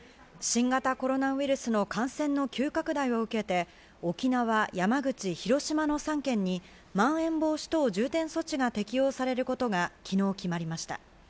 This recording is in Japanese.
新型コロナウイルスの感染の急拡大を受けて、沖縄、山口、広島の３県にまん延防止等重点措置が適用されることが昨日、決まりました。